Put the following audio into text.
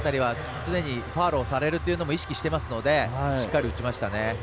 ファウルをされるのを意識してますのでしっかり打ちましたね。